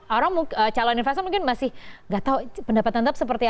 orang calon investor mungkin masih gak tahu pendapatan tetap seperti apa